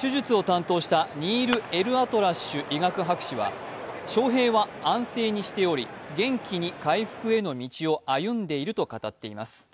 手術を担当したニール・エルアトラッシュ医学博士は翔平は安静にしており元気に回復への道を歩んでいると語っています。